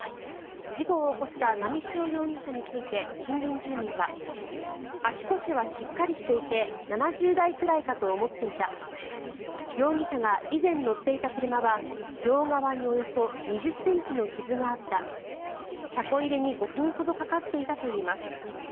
事故を起こした波汐容疑者について近隣住民は足腰はしっかりしていて７０代くらいかと思っていた容疑者が以前乗っていた車は両側におよそ２０ｃｍの傷があった車庫入れに５分ほどかかっていたといいます。